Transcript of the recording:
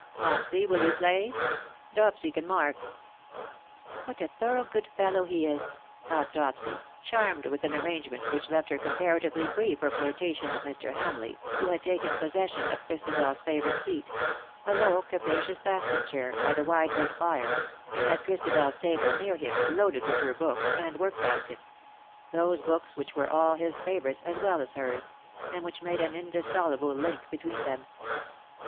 Mopsy, will you play? Dopsy can mark/'' " What a thorough good fellow he is,''"' thought Dopsy, charmed with an arrangement which left her comparatively free for flirtation with Mr. Hamleigh, who had taken possession of ChristabePs favourite seat — a low capacious basket chair — by the wide wood fire, and had Christabers table near him, loaded with her books, and work basket —^' WHO KNOWS NOT CIRCE ?" '261 those books which were all his favourites as well as hers, and which made an indissoluble link between them.